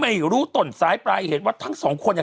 ไม่รู้ต้นสายปลายเหตุว่าทั้งสองคนเนี่ย